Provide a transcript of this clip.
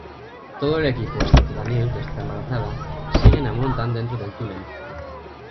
Todo el equipo, excepto Danielle, que está embarazada, siguen a Montand dentro del túnel.